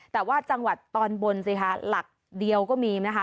แต่ว่าจังหวัดตอนบนสิคะหลักเดียวก็มีนะคะ